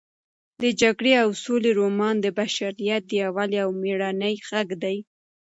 د جګړې او سولې رومان د بشریت د یووالي او مېړانې غږ دی.